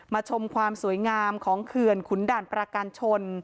ชมความสวยงามของเขื่อนขุนด่านประการชน